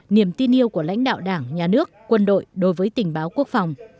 niềm tin yêu của lãnh đạo đảng nhà nước quân đội đối với tình báo quốc phòng